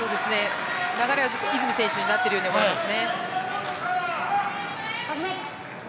流れは泉選手になっているように思います。